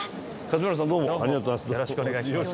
勝村さんどうもありがとうございます。